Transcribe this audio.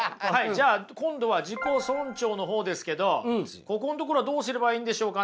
じゃあ今度は自己尊重の方ですけどここのところはどうすればいいんでしょうかね？